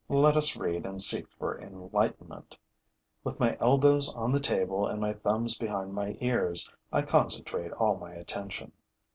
Let us read and seek for enlightenment. With my elbows on the table and my thumbs behind my ears, I concentrate all my attention.